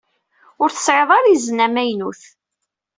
Ur tesɛiḍ ara izen amaynut.